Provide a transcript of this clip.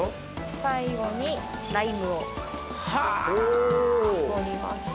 最後にライムを搾ります。